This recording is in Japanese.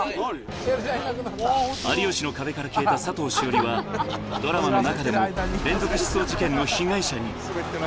有吉の壁から消えた佐藤栞里は、ドラマの中でも連続失踪事件の被害者に。